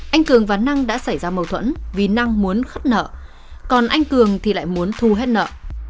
anh cường và năng đã xảy ra mâu thuẫn vì năng muốn khắt nợ còn anh cường thì lại muốn thu hết nợ